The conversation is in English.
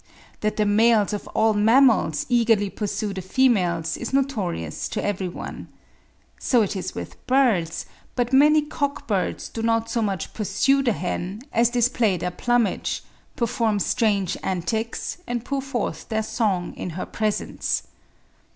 That the males of all mammals eagerly pursue the females is notorious to every one. So it is with birds; but many cock birds do not so much pursue the hen, as display their plumage, perform strange antics, and pour forth their song in her presence.